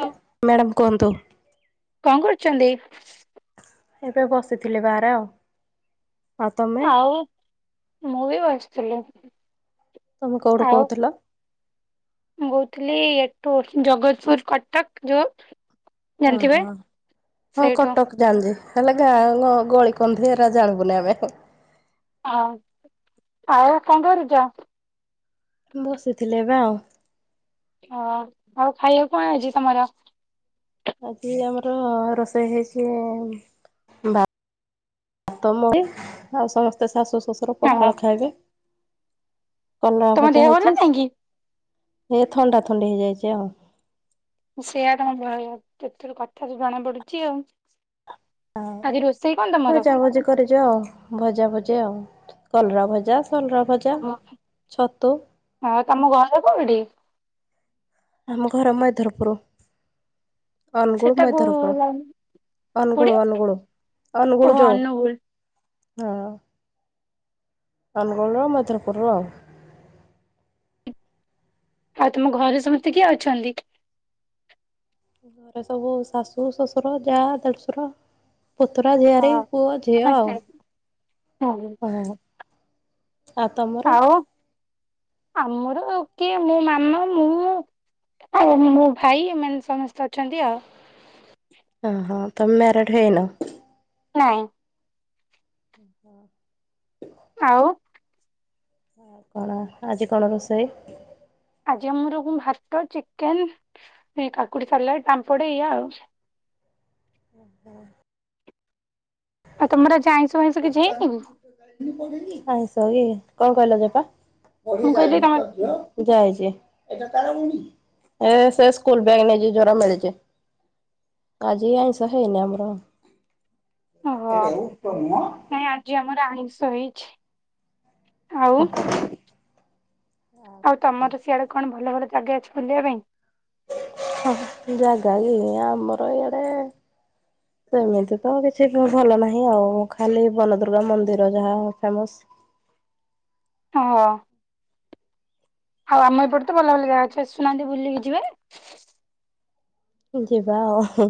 ଆଉ ମ୍ୟାଡ଼ାମ କୁହନ୍ତୁ। କଣ କରୁଛନ୍ତି? ଏବେ ବସିଥିଲି ବାହାର ଆଉ। ଆଉ ତମେ ଆଉ ମୁଁ ବି ବସିଥିଲି। ତମେ କଉଠୁ ଆଉ କହୁଥିଲ? ମୁଁ କଉଥିଲି ଏଠୁ ଜଗତପୁର କଟକ ଯୋଉ ଜାଣିଥିବେ ସେଇଠୁ। ଜାଣିଲି ହେଲେ ଗାଁ ଗ ଗଳି, କନ୍ଧିରେ ଜାଣିବୁନି ଆମେ। ଆଉ ଆଉ କଣ କରୁଛ? ବସିଥିଲେ ଏବେ ଆଉ। ଓ ଆଉ ଖାଇବାକୁ କଣ ଆଜି ତମର? ଆଜି ଆମର ରୋଷେଇ ହେଇଛି ବାଆ ତମରି ସମସ୍ତେ ଶାଶୁ, ଶ୍ୱଶୁର, ହଁ ପଖାଳ ଖାଇବେ। କଲରା ତମ ଭଜା ଦେହ ଭଲ ହେଇଛିସ, ନାହିଁ କି? ଏ ଥଣ୍ଡା ଥଡି ହେଇଯାଇଛି ଆଉ। ସେଇଆ ତ ଭୟ ଯେତେବେ କଥା ଜଣା ପଡୁଛି ଆଉ। ଆଜି ରୋଷେଇ କଣ ତମର? କରେ ଯେ ଆଉ ଭଜା ଭାଜା ଆଉ କଲରା ଭଜା ସଲରା ଭ ଜା, ଛତୁ। ହଁ ତମ ଘରେ କୋଉଠି? ଆମ ଘର ମୟଧରପୁର। ଅନୁଗୁଳ, ସେଟା କୋଉ ମୈଥରପୁର, ଲାଇନ କୋଉଠି? ଅନୁଗୁଳ ଅନୁଗୁଳ ଅନୁଗୁଳ ଓହୋ ଯୋଉ। ଅନୁଗୁଳ। ହଁ। ଅନୁଗୁଳ ର ମୈଧରପୁର ଆଉ। ଆଉ ତମ ଘରେ ସମସ୍ତେ କିଏ ଅଛନ୍ତି? ଘରେ ସବୁ ଶାଶୁ, ଶ୍ୱଶୁର, ଯା, ଦେଢଶୁର। ପୁତୁରା, ଝିଆରି, ହଁ ପୁଅ, ଝିଅ ଆଉ। ସମସ୍ତେ। [unintelligible] ତମର? ଆଉ ଆମର କିଏ ମୋ ମାମା, ମୁଁ। ଆଉ ମୋ ଭାଇ ଏମାନେ ସମସ୍ତେ ଅଛନ୍ତି ଆଉ। ଓହୋ ତମେ ମ୍ୟାରେଡ ହେଇନ? ନାଇଁ। ଅ ହ। ଆଉ। ଓ କଣ ଆଜି କଣ ରୋଷେଇ? ଆଜି ଆମର ଙ୍କ ଭାତ, ଚିକେନ, କାକୁଡି ସାଲାଡ, ପାମ୍ପଡ ଏୟା ଆଉ। ଓ ହୋ। ଆଉ ତମର ଯାଇଁ [unintelligible] କଣ କହିଲ ବାପା? ପଢି ମୁଁ କହିଲି ଯାଇନି ତମେ ତ ଝିଅ? ଯାଇଛି, ଏଇଟା କାର ମିଳିଛି? ଏ ସେ ସ୍କୁଲ୍ ବ୍ୟାଗ୍ ନେଇଛି ଜୋରା ମିଳିଛି। ଆଜି ଆଇଁଷ ହେଇନି ଆମର। ଓହୋ ନାଇଁ ଆଜି ଆମର ଆଇଁଷ ହେଇଛି ଆଉ। ଆଉ ତମର ସିଆଡେ କଣ ଭଲ ଭଲ ଜାଗା ଅଛି ବୁଲିବା ପାଇଁ? ହ ଜାଗା କି ଆମର ଏଇଆଡେ ସେମିତି ତ କିଛି ଭଲ ନାହିଁ ଆଉ ଖାଲି ବନଦୁର୍ଗା ମନ୍ଦିର ଯାହା ଫେମସ୍‌। ହଁ। ଆଉ ଆମ ଏପଟ ତ ଭଲ ଭଲ ଜାଗା ଅଛି, ଆଶୁନାହାନ୍ତି ବୁଲିକି ଯିବେ? ଯିବା ଆଉ ହୁଁ,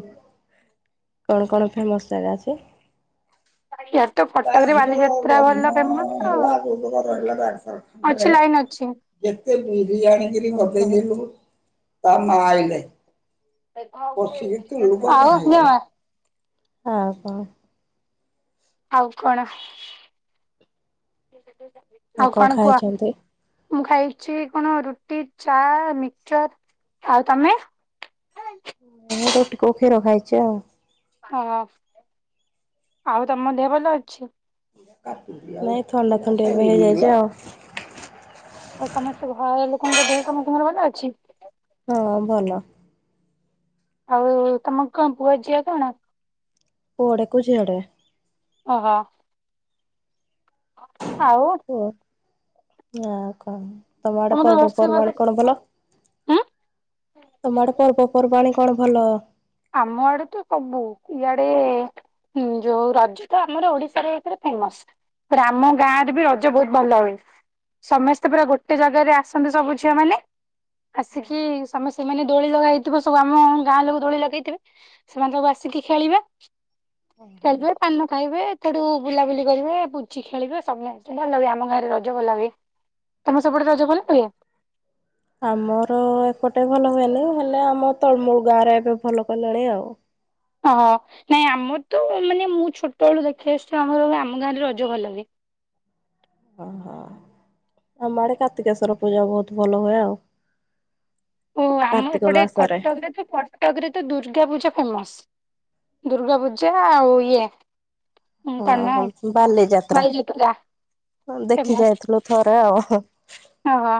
କଣ କଣ ଫେମସ ଜାଗା ଅଛି? ଇଆଡେ ତ ତା କଟକରେ ଝିଅ ବାଲିଯାତ୍ରା ଭଲ ଲଗନ ଫେମସ ଆଉ ହେଲା ଗ ରହିଲା ଅଛି ଡାକ୍ତରଖାନାରେ। ଲାଇନ ଅଛି। ଯେତେ ବିରିୟଣୀ କିରି ବଦେଇଦେଇଥିଲୁ ତା ମା ଆଇଲେ। ବସିକି ତୁଳୁ ଗଦା ଆଉ ହେଇଗଲା। ଙ୍କ? ଆଉ କଣ? ଆଉ କଣ ଆଉ କଣ କୁହ? ମୁଁ ଖାଇଛି କଣ ରୁଟି, ଚା, ମିକ୍‌ଚର, ଆଉ ତମେ? ମୁଁ ରୁଟି କୋଉ କ୍ଷୀର ଖାଇଛି ଆଉ। ହଁ ଆଉ ତମ ଦେହ ଭଲ ଅଛି? ନାଇଁ ଥଣ୍ଡା ଥଣ୍ଡି ଏବେ ହେଇଯାଇଛି ଆଉ। ଆଉ ତମେ ସବୁ ଘର ଲୋକଙ୍କ ଦେହ ସମସ୍ତଙ୍କର ଭଲ ଅଛି? ହଁ ଭଲ। ଆଉ ତମ କଅଁ ପୁଅ ଝିଅ କଣ? ପୁଅ ଟେକୁ ଝିଅଟେ। ଓହୋ। ଆଉ ଓ ଆଉ କଣ ତମ ଆଡେ ତମର ରୋଷେଇ ବାସ ପର୍ବପର୍ବାଣୀ କଣ ଭଲ? ଉଁ ତମ ଆଡେ ପର୍ବପର୍ବାଣୀ କଣ ଭଲ? ଆମ ଆଡେ ତ ସବୁ ଇଆଡେ ହୁଁ ଯୋଉ ରଜ ତ ଆମର ଓଡିଶାରେ ଏକରେ ଫେମସ। ରାମ ଗାଁରେ ବି ରଜ ବହୁତ ଭଲ ହୁଏ। ସମସ୍ତେ ପୁରା ଗୋଟେ ଜାଗାରେ ଆସନ୍ତି ସବୁ ଝିଅମାନେ ଆସିକି ସମେ ସେମାନେ ଦୋଳି ଲଗେଇ ହେଇଥିବ ସବୁ ଆମ ଗାଁ ଲୋକ ଦୋଳି ଲଗେଇ ଥିବେ ସେମାନେ ସବୁ ଆସିକି ଖେଳିବା ଖେଳିବେ ପାନ ଖାଇବେ। ସେଠୁ ବୁଲାବୁଲି କରିବେ ପୁଚି ଖେଳିବେ ସମେ ଭଲ ବି ଆମ ଗାଁରେ ରଜ ଭଲ ହୁଏ। ତମେ ସେପଟେ ରଜ ଭଲ ହୁଏ। ଆମର ଏପଟେ ଭଲ ହୁଏନି ହେଲେ ଆମ ତଳମୂଳ ଗାଁ ରେ ଏବେ ଭଲ କଲେଣି ଆଉ। ଓହଃ ନାଇଁ ଆମର ତ ମାନେ ମୁଁ ଛୋଟବେଳୁ ଦେଖି ଆସୁଛି ଆମର ବି ଆମ ଗାଁରେ ରଜ ଭଲ ହୁଏ। ଓହୋ ଆମ ଆଡେ କାର୍ତିକେଶ୍ୱଵର ପୂଜା ବହୁତ ଭଲ ହୁଏ ଆଉ। ଓ ଆମ କାର୍ତ୍ତିକ ଏପଟେ ମାସରେ କଟକରେ ତ ପ କଟକରେ ତ ଦୁର୍ଗା ପୂଜା ଫେମସ ଦୁର୍ଗା ପୂଜା ଆଉ ଇଏ କଣ ନା ହଁ ବାଲିଯାତ୍ରା ବାଲିଯାତ୍ରା ଦେଖି ଯାଇଥିଲୁ ଥରେ ଆଉ ହୁଁ। ହଁ ହଁ।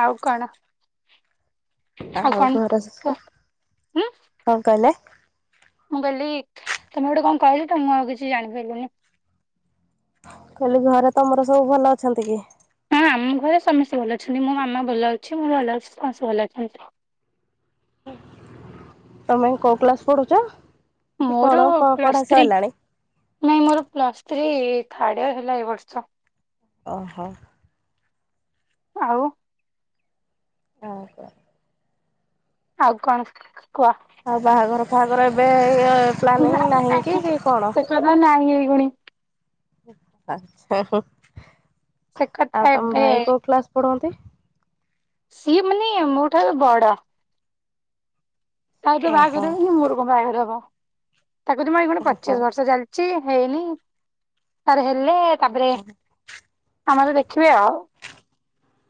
ଆଉ କଣ? ଆଉ କଣ ଘରେ କୁହ କଣ କହିଲେ? ମୁଁ କହଲି ତମେ ଗୋଟେ କଣ କହିଲି ତ ମୁଁ ଆଉ କିଛି ଜାଣି ପାଇଲୁନି। କଇଲି ଘରେ ତମର ସବୁ ଭଲ ଅଛନ୍ତି କି? ହଁ ଆମ ଘରେ ସମସ୍ତେ ଭଲ ଅଛନ୍ତି ମୋ ମାମା ଭଲ ଅଛି ମୁଁ ଭଲ ଅଛି ସମସ୍ତେ ଭଲ ଅଛନ୍ତି। ତମେ କୋଉ କ୍ଲାସ ପଢୁଛ କି ମୋର କଣ ପ୍ଲସ୍ ପ-ପଢା ଥ୍ରୀ ସଇଲାଣି? ନାଇଁ ମୋର ପ୍ଲସ୍ ଥ୍ରୀ ଥାର୍ଡ ଇୟର ହେଲା ଏ ବର୍ଷ। ଓହୋ। ଆଉ ଆଉ କଣ? ଆଉ କଣ କୁହ? ଆଉ ବାହାଘର ଫହାଘର ଏବେ ଇଏ ପ୍ଲାନିଂ ନାଇଁ ନାହିଁ ନାଇଁ କି କଣ? ସେ କଥା ନାଇଁ ଏଇଗୁଣି ହୁଁ ହୁଁ। ସେ କଥା ଆଉ ତମ ଏବେ ଭାଇ କୋଉ କ୍ଲାସ ପଢନ୍ତି? ସିଏ ମାନେ ମୋ ଠାରୁ ବଡ଼। ତାର ତ ଓହୋ ବାହାଘର ହେଇନି ମୋର କଣ ବାହାଘର ହବ? ତାକୁ ଜମା ଏଇନୁ ଓହୋ ପଚିଶ ବର୍ଷ ଚାଲିଛି ହେଇନି ତାର ହେଲେ ତାପରେ ଆମର ଦେଖିବା ଆଉ?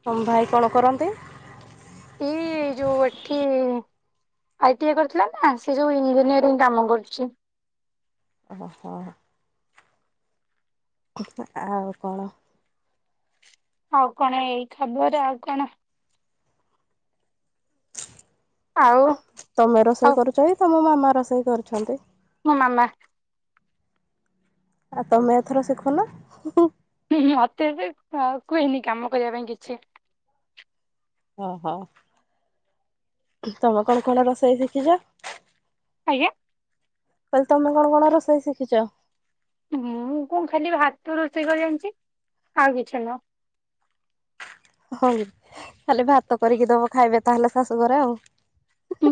ତମ ଭାଇ କଣ କରନ୍ତି? ସିଏ ଯୋଉ ଏଠି ଆଇ ଟି ଆଇ କରିଥିଲା ନା ସେ ଯେଉଁ ଇଞ୍ଜିନିୟରିଂ କାମ କରୁଛି। ଓହୋଃ। ଆଉ କଣ? ଆଉ କଣ ଏଇ ଖବର ଆଉ କଣ। ଆଉ ତମେ ରୋଷେଇ ଆଉ କରୁଛ କି ତମ ମାମା ରୋଷେଇ କରୁଛନ୍ତି? ମୋ ମାମା। ଆଉ ତମେ ଏଥର ଶିଖୁନ। ହୁଁ ମତେ କୁହେନି କାମ କରିବା ପାଇଁ କିଛି। ଓହୋ ତମେ କଣ କଣ ରୋଷେଇ ଶିଖିଛ? ଆଜ୍ଞା। କହିଲି ତମେ କଣ କଣ ରୋଷେଇ ଶିଖିଛ? ମୁଁ କଣ ଖାଲି ଭାତ ରୋଷେଇ କରି ଯାଣିଛି ଆଉ କିଛି ନୁହଁ। ହଉଖାଲି ଭାତ କରିକି ଦବ ଖାଇବେ ତାହେଲେ ଶାଶୁଘରେ ଆଉ।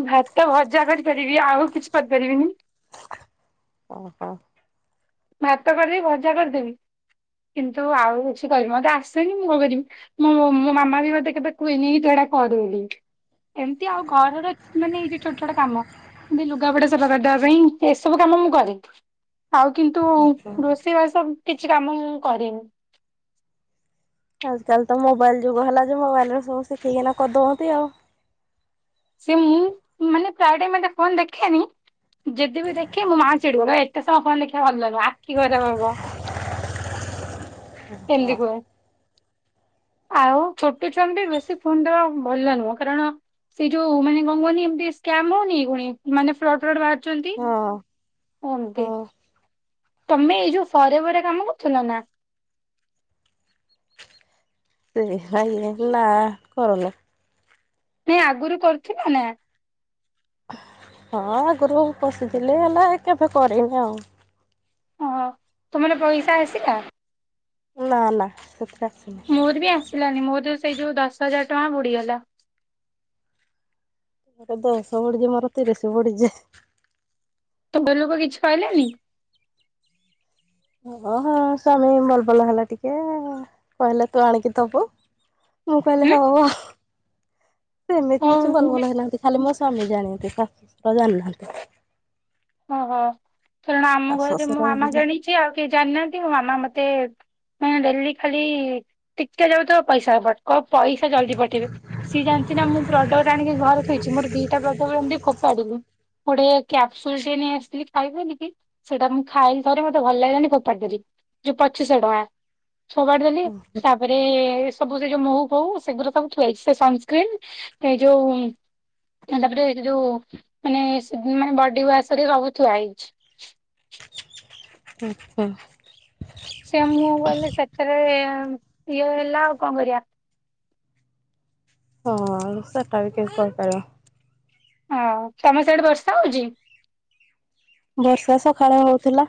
ଭାତ ଭଜା କରିପାରିବି ଆଉ କିଛି କରିପାରିବିନି। ଓହୋ। ଭାତ କରିଦେବି ଭଜା କରିଦେବି, କିନ୍ତୁ ଆଉ କିଛି କରିବି ମତେ ଆସୁନି ମୁଁ କଣ କରିବି। ମୁଁ ମୋ ମାମା ବି ମତେ କେବେ କୁହେନି କି ତୁ ଏଟା କର ବୋଲି। ଏମିତି ଆଉ ଘରର ମାନେ ଏଇ ଯୋଉ ଛୋଟ ଛୋଟ କାମ ଏମତି ଲୁଗାପଟା ସଫା କରିଦବା ପାଇଁ ଏସବୁ କାମ ମୁଁ କରେ। ଆଉ କିନ୍ତୁ ରୋଷେଇ ବାସ କିଛି କାମ ମୁଁ କରେନି। ଆଜ କାଲି ତ ମୋବାଇଲ ଯୁଗ ହେଲା ଯେ ମୋବାଇଲରେ ସବୁ ଶିଖିକିନା କରିଦଉନ୍ତି ଆଉ। ସେ ମୁଁ ମାନେ ପ୍ରାୟ ଟାଇମ ଏତେ ଫୋନ ଦେଖେନି। ଯଦି ବିି ଦେଖେ ମୁଁ ମା ଚିଡିିବ ଏତେ ସମୟ ଫୋନ ଦେଖିବା ଭଲନୁହଁ ଆଖି ଖରାପ ହବ। [unintelligible] [inaudible] ଆଉ ଛୋଟ ଛୁଆଙ୍କୁ ଟିକେ ବେଶୀ ଫୋନ ଦବା ଭଲ ନୁହଁ, କାରଣ ସେଇ ଯୋଉ ମାନେ କଣ କୁହନି ଏମତି ସ୍କାମ ହଉନି ପୁଣି ମାନେ ଫ୍ଟ ଫ ଛନ୍ତି, ଓମନ୍ତି। ହଁ ତମେ ଏଇ ଯୋଉ ଫର ଏଭର୍ ରେ କାମ କରୁଥିଲ ନା? ସେ [unintelligible] ନା କରୁନା। ନାଇ ଆଗରୁ କରୁଥିଲ ନା? ହଁ ଆଗରୁ ପଶିଥିଲି ହେଲେ କେବେ କରିନି ଆଉ। ଓ ତୁମର ପଇସା ଆସିଲା? ନା ନା ସେଥି ମୋର ବି ଆସିଲାନି ମୋର ତ ସେଇ ଯୋଉ ଦଶ ହଜାର ଟଙ୍କା ବୁଡ଼ିଗଲା। ତୋର ଦଶ ବୁଡ଼ିଚି ମୋର ତିରିଶି ବୁଡିଚି। [unintelligible] କିଛି କହିଲେନି? ଓ ହୋ ସ୍ୱାମୀ ବଲ ବଲ ହେଲା ଟିକେ କହିଲେ ତୁ ଆଣିକି ଦବୁ। ମୁଁ କହିଲି ହୁଁ ହୋଉ ଆଉ। ସେମିତି ହଉ କିଛି ମୁଁ ବଲ ବି ବଲ ହେଇ ନାହାଁନ୍ତି, ଖାଲି ମୋ ସ୍ୱାମୀ ଜାଣନ୍ତି ଶାଶୁ ଶଶୁର ଜାଣିନାହାନ୍ତି। ଓହୋ କାରଣ ଆମ ଶାଶୁ ଘରେ ମୋ ଶଶୁର ମାମା ହୁଁ ଜାଣିଛି ଆଉ କେହି ଜାଣିନାହାନ୍ତି ମୋ ମାମା ମୋତେ ମାନେ ଡେଲି ଖାଲି ଟିକେ ଯାଉ ଥିବ ପଇସା କ ପଇସା ଜଲଦି ପଠେଇବେ। ସିଏ ଜାଣିଛି ନା ମୁଁ ପ୍ରଡକ୍ଟ ଆଣିକି ଘରେ ଥୋଇଛି ମୋର ଦିଟା ପ୍ରଡକ୍ଟ ଏମିତି ଫୋପାଡିଲି। କୋଡ଼ିଏ କ୍ୟାପସ୍ ତ ନେଇ ଆସିଥିଲି ଖାଇବି ବୋଲିକି ସେଇଟା ମୁଁ ଖାଇଲି ଥରେ ମତେ ଭଲ ଲାଗିଲାନି ଫୋପାଡି ଦେଲି। ଯୋଉ ପଚିଶହ ଟଙ୍କା ଫୋପାଡ ଦେଲି ସା ତାପରେ ସବୁ ସେ ଯୋଉ ମହୁ ଫୋହୁ ସେଗୂରା ସବୁ ଥୁଆହେଇଛି ସନସ୍କ୍ରିନ୍ ଏ ଯୋଉ ତାପରେ ଯୋଉ ମାନେ ବଡି ୱାସ ହେରୀକା ସବୁ ଥୁଆ ହେଇଚି। ଆଛା। ସେୟା ମୁଁ କହିଲି ସେଥିରେ ଇଏ ହେଲା ଆଉ କଣ କରିବା। ହଁ ସେଟା ବି କିଏ କହିପାରିବ। ହଁ ତମ ସେଇଠ ବର୍ଷା ହଉଛି? ବର୍ଷା ସକାଳେ ହଉଥିଲା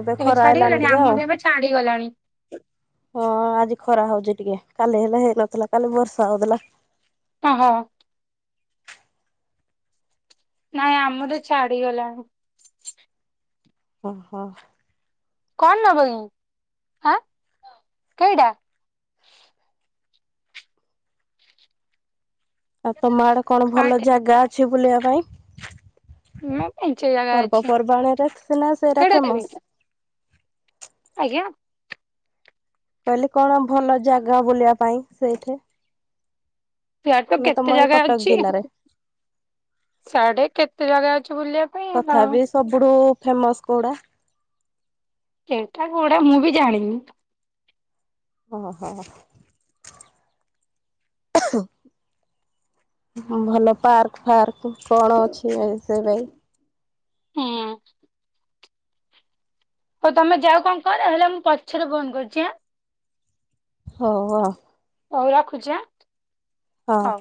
ଏବେ ଖରା ହେଲାଣି ଛାଡିଗଲାଣି ଟିକେ ଆଉ। ଆମର ଏବେ ଛାଡିଗଲାଣି ହଁ ଆଜି ଖରା ହଉଛି ଟିକେ କାଲି ହେଲେ ହେଇନଥିଲା କାଲି ବର୍ଷା ହଉଥିଲା। ଅ ହ। ନାଇଁ ଆମର ଛାଡିଗଲାଣି। ଓହୋ କଣ ନବ ଆଁ କେଇଟା? ଆଉ ତମ ଆଡ଼େ କଣ ଭଲ ଆଠେ ଜାଗା ଅଛି ବୁଲିବା ପାଇଁ। ମୁଁ ମେଞ୍ଚେ ଜାଗା ଅଛି ପର୍ବପର୍ବାଣରେ ସିନା ସେଇଟା କେଇଟା ଦେବି ଫେମସ୍। ଆଜ୍ଞା। କହିଲି କଣ ଭଲ ଜାଗା ବୁଲିବା ପାଇଁ ସେଇଠି। ଫଟ ତ ମାନେ ତମ କେତେ ଏଇ ଜାଗା କଟକ ଅଛି ଜିଲ୍ଲାରେ? ସାଢେ କେତେ ଜାଗା ଅଛି ବୁଲିବା ପାଇଁ ଆଉ। ତଥାପି ସବୁଠୁ ଫେମସ୍ କଉଟା ସେଟା କୋଉଡ଼ା ମୁଁ ବି ଜାଣିନି। ଓହୋ। ଭଲ ପାର୍କ ଫାର୍କ କଣ ଅଛି ଏ ସେ ଭାଇ ହଁ। ଆଉ ତମେ ଯାଅ କଣ କର ହେଲେ ମୁଁ ପଛରେ ଫୋନ କରୁଛି ଆଁ ହଉ ଆଉ ହଉ ରଖୁଛି ଆଁ ହଁ। ହଉ।